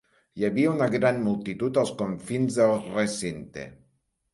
Hi havia una gran multitud als confins del recinte.